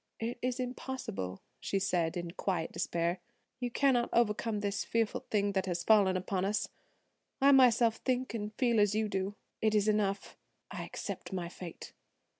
"It is impossible," she said in quiet despair. "You cannot overcome this fearful thing that has fallen upon us. I myself think and feel as you do. It is enough; I accept my fate."